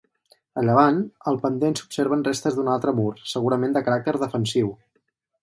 A llevant, al pendent s'observen restes d'un altre mur, segurament de caràcter defensiu.